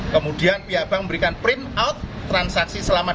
kemudian pihak bank memberikan print out transaksi selamat